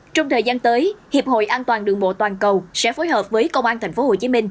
trong thời gian tới hiệp hội an toàn đường bộ toàn cầu sẽ phối hợp với công an tp hcm